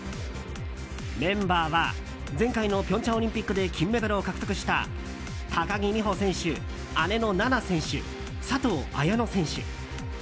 メンバーは前回の平昌オリンピックで金メダルを獲得した高木美帆選手、姉の菜那選手佐藤綾乃選手。